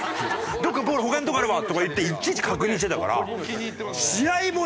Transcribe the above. どっか他のとこあるわ」とか言っていちいち確認してたから。